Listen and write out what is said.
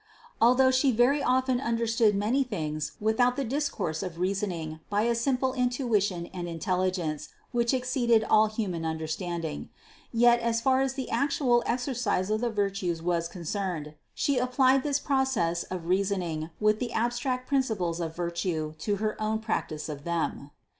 Although She very often understood many things without the dis course of reasoning by a simple intuition and in telligence which exceeded all human understanding; yet, as far as the actual exercise of the virtues was concerned, She applied this process of reasoning from the abstract principles of virtue to her own practice of them.